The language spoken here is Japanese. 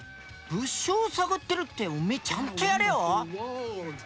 物証を探ってるっておめえちゃんとやれよ？